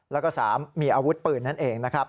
แล้วก็๓มีอาวุธปืนนั่นเองนะครับ